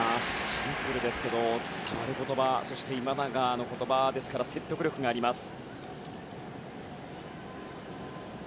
シンプルですけども伝わる言葉そして今永の言葉ですから説得力があります。